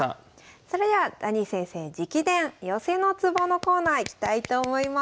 それでは「ダニー先生直伝！寄せのツボ」のコーナーいきたいと思います。